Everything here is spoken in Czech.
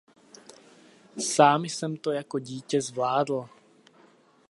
Sám jsem to jako dítě zvládl.